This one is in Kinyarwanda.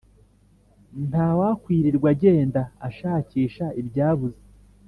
Ntawakwirirwa agenda ashakisha ibyabuze